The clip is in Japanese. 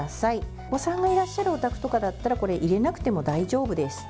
お子さんがいらっしゃるお宅とかだったら、こちらは入れなくても大丈夫です。